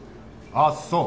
あっそう！